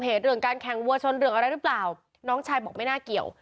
เรื่องการแข่งวัวชนเรื่องอะไรหรือเปล่าน้องชายบอกไม่น่าเกี่ยว